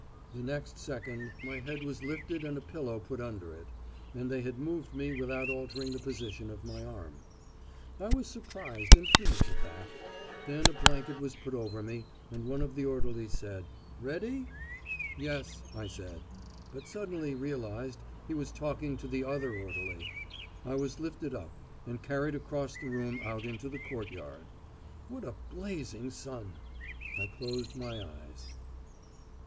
The next second my head was lifted and a pillow put under it. And they had moved me without altering the position of my arm. I was surprised and pleased at that. Then a blanket was put over me, and one of the orderlies said "Ready?" "Yes," I said, but suddenly realised he was talking to the other orderly. I was lifted up, and carried across the room out into the courtyard. What a blazing sun! I closed my eyes.